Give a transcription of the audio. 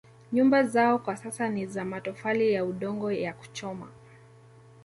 Nyumba zao kwa sasa ni za matofali ya udongo ya kuchoma